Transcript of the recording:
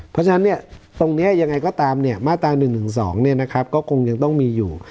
เพราะฉะนั้นเนี่ยตรงนี้ยังไงก็ตามเนี่ยมาตรา๑๑๒เนี่ยนะครับก็คงยังต้องมีอยู่